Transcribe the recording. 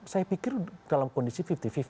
saya pikir dalam kondisi lima puluh lima puluh